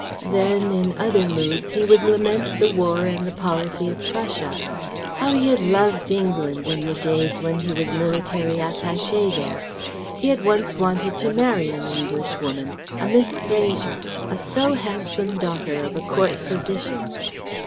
Then, in other moods, he would lament the war and the policy of Prussia. How he had loved England in the days when he was military attaché there. He had once wanted to marry an Englishwoman, a Miss Fraser, a so handsome daughter of a Court Physician.